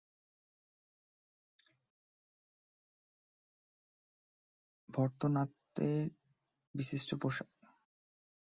ভরতনাট্যম নৃত্যের বিশিষ্ট পোশাক আছে।